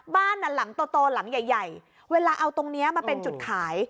บ้านหลังโตหลังใหญ่เวลาเอาตรงนี้มาเป็นจุดขาย